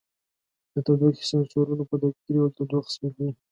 د تودوخې سینسرونو په دقیق ډول تودوخه ثبتوي.